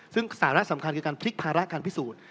ซึ่งสาระสำคัญคือการพลิกภาระการพิสูจน์